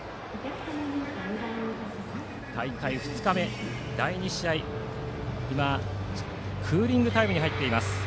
大会２日目、第２試合は今、クーリングタイムに入っています。